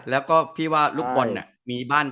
แล้วก็พี่ว่าลูกบอลเนี่ย